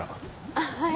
あっはい。